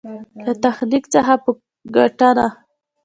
له تخنيک څخه په ګټنه.